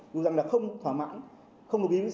dù rằng là không thỏa mãn không đồng ý với phí đấy